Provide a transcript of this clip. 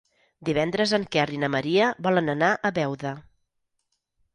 Divendres en Quer i na Maria volen anar a Beuda.